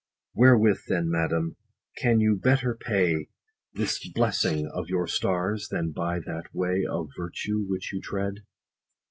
Wherewith then, madam, can you better pay This blessing of your stars, than by that way Of virtue, which you tread